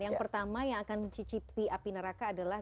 yang pertama yang akan mencicipi api neraka adalah